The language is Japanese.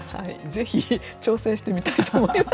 ぜひ挑戦してみたいと思います。